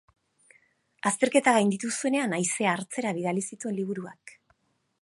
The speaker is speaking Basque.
Azterketa gainditu zuenean, haizea hartzera bidali zituen liburuak.